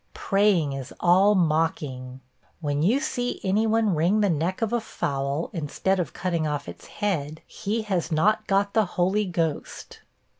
Praying is all mocking. When you see any one wring the neck of a fowl, instead of cutting off its head, he has not got the Holy Ghost.